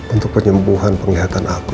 untuk penyembuhan penglihatan aku